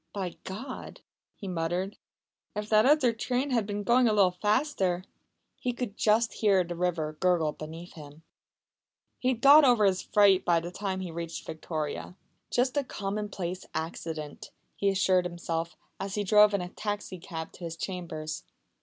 "By God!" he muttered. "If that other train had been going a little faster " He could just hear the river gurgling beneath him. He had got over his fright by the time he reached Victoria. "Just a common place accident," he assured himself, as he drove in a taxi cab to his chambers.